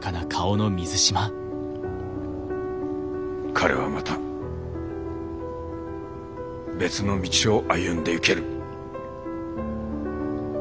彼はまた別の道を歩んでいける。